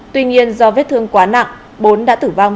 tuy nhiên do vết thương quá nặng bốn đã tử vong